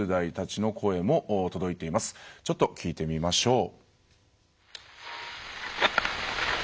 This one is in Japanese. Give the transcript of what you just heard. ちょっと聴いてみましょう。